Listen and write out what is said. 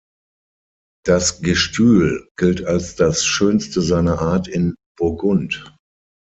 Das Gestühl gilt als das schönste seiner Art in Burgund.